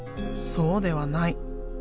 そうではない。